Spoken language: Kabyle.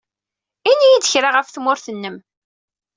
Ini-iyi-d kra ɣef tmurt-nnem.